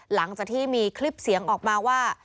หลังจากที่มีคลิปเสียงออกมาว่า